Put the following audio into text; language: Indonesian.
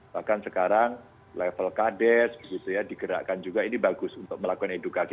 bahkan sekarang level kdes digerakkan juga ini bagus untuk melakukan edukasi